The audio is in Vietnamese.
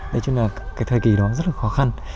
đấy chứ là cái thời kỳ đó rất là khó khăn